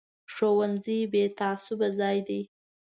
ښوونځی بې تعصبه ځای دی